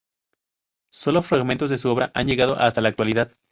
Sólo fragmentos de su obra han llegado hasta la actualidad.